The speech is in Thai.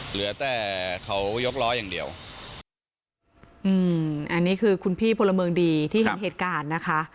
เหลือแต่เขายกล้ออย่างเดียวอืมอันนี้คือคุณพี่พลเมืองดีที่เห็นเหตุการณ์นะคะ